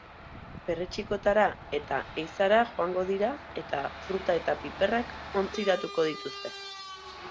Perretxikotara eta ehizara joango dira, eta fruta eta piperrak ontziratuko dituzte.